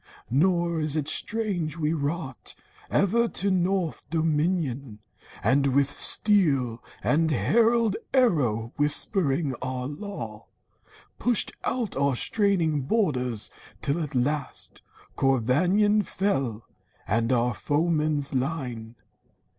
Nor is it strange we wrought Ever to north dominion, and with steel, And herald arrow whispering our law, Pushed out our straining borders, till at last Corvannon fell, and all our foeman's line.